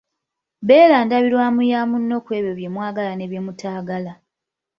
Beera ndabirwamu ya munno ku ebyo bye mwagala ne byemutayagala.